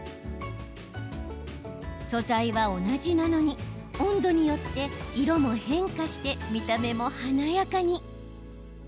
素材は同じなのに温度によって色も変化して見た目も華やかに。